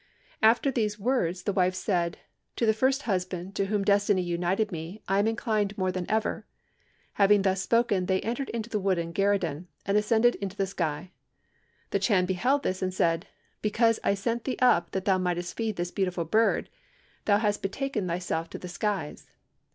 "After these words the wife said, 'To the first husband to whom destiny united me am I inclined more than ever.' Having thus spoken they entered into the wooden gerudin, and ascended into the sky. The Chan beheld this, and said, 'Because I sent thee up that thou mightest feed this beautiful bird, thou hast betaken thyself to the skies.'